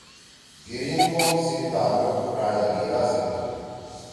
گیرین قوم سی تعلق راجا گیرا سیت تُھو۔